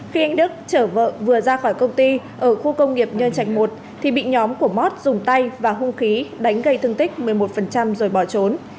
khi anh đức chở vợ vừa ra khỏi công ty ở khu công nghiệp nhân trạch một thì bị nhóm của mót dùng tay và hung khí đánh gây thương tích một mươi một rồi bỏ trốn